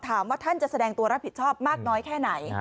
ท่านจะแสดงตัวรับผิดชอบมากน้อยแค่ไหน